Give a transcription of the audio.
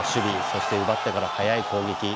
そして、奪ってからの速い攻撃。